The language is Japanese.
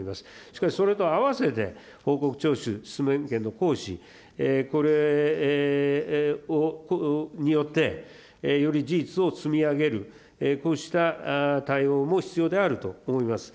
しかし、それとあわせて、報告徴収、質問権の行使、これによって、より事実を積み上げる、こうした対応も必要であると思います。